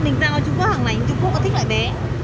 mình ra ngoài trung quốc hàng này trung quốc nó thích lại bé